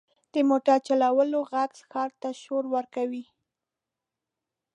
• د موټر چټکولو ږغ ښار ته شور ورکوي.